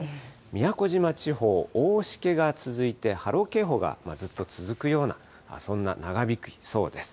宮古島地方、大しけが続いて、波浪警報がずっと続くような、そんな長引きそうです。